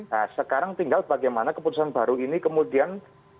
nah sekarang tinggal bagaimana keputusan baru ini kemudian